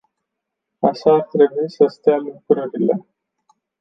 Așa ar trebui să stea lucrurile.